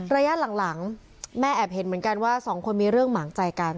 ระยะหลังแม่แอบเห็นเหมือนกันว่าสองคนมีเรื่องหมางใจกัน